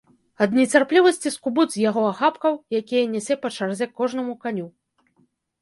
Ад нецярплівасці скубуць з яго ахапкаў, якія нясе па чарзе кожнаму каню.